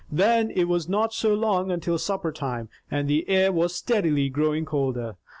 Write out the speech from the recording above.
Then it was not so long until supper time, and the air was steadily growing colder.